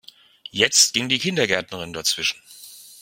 Jetzt ging die Kindergärtnerin dazwischen.